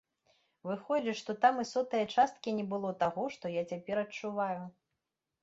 Выходзіць, што там і сотае часткі не было таго, што я цяпер адчуваю.